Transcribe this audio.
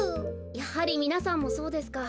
やはりみなさんもそうですか。